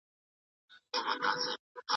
که وطن ودان وي، نو موږ به هم هوسا وو.